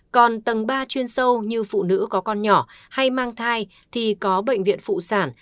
còn tầng ba chuyên sâu như phụ nữ có con nhỏ hay mang thai thì có bệnh viện phụ sản